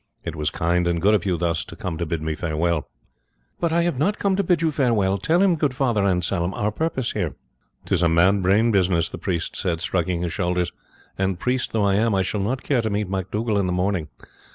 It was kind and good of you thus to come to bid me farewell." "But I have not come to bid you farewell. Tell him, good Father Anselm, our purpose here." "'Tis a mad brain business," the priest said, shrugging his shoulders; "and, priest though I am, I shall not care to meet MacDougall in the morning.